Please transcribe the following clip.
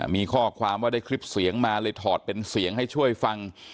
มีข้อความว่าได้คลิปเสียงมาเลยถอดเป็นเสียงให้ช่วยฟัง